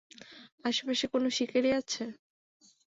আশেপাশে কোনো শিকারী আছে?